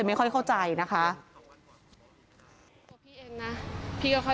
ไม่เข้าใจนะคะ